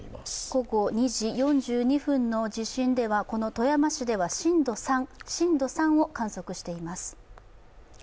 午後２時４２分の地震では、この富山市では震度３を観測しています。